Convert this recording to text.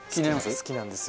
好きなんですよ。